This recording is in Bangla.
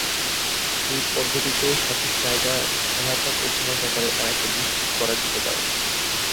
এই পদ্ধতিতে সঠিক জায়গায় সহায়তা পৌঁছানোর ব্যাপারটা অনেকটা নিশ্চিত করা যেতে পারে।